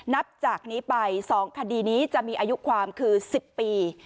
นับจากนี้ไป๒คดีนี้จะมีอายุความคือ๑๐ปี